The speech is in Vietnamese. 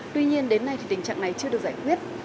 tuy nhiên đến nay thì tình trạng này chưa được giải quyết